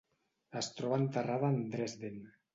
Es troba enterrada en Dresden.